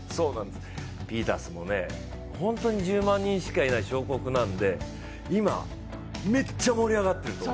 ピータースも、本当に１０万人しかいない小国なので、今、めっちゃ盛り上がってる。